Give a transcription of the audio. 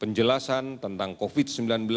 penjelasan tentang covid sembilan belas